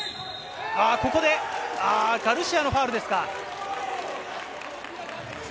ここでガルシアのファウルですか。